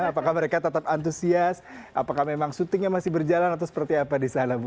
apakah mereka tetap antusias apakah memang syutingnya masih berjalan atau seperti apa di sana bu